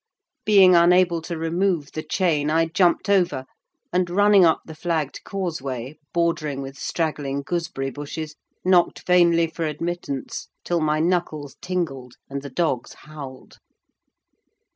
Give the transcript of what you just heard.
Being unable to remove the chain, I jumped over, and, running up the flagged causeway bordered with straggling gooseberry bushes, knocked vainly for admittance, till my knuckles tingled and the dogs howled.